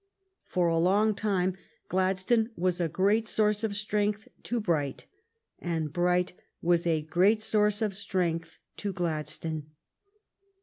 For a long time Gladstone was a great source of strength to Bright, and Bright was a great source of strength to Gladstone.